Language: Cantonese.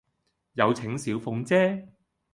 有請小鳳姐